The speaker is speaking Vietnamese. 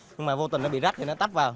nhưng mà vô tình nó bị rác thì nó tắp vào